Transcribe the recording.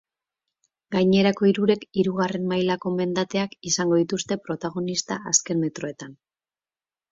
Gainerako hirurek hirugarren mailako mendateak izango dituzte protagonista azken metroetan.